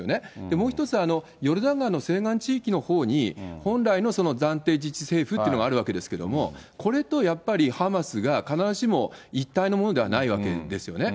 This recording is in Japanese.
もう一つ、ヨルダン川の西岸地域のほうに、本来の暫定自治政府というのがあるわけですけれども、これとやっぱりハマスが必ずしも一体のものではないわけですよね。